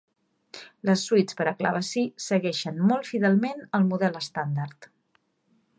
Les suites per a clavecí segueixen molt fidelment el model estàndard.